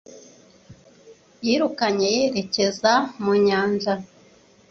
Yirukanye yerekeza ku nyanja